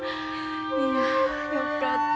いやよかった。